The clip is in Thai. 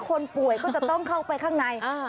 คนป่วยก็จะต้องเข้าไปข้างใน